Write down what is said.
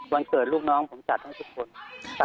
วันเกิดลูกน้องผมจัดให้ทุกคน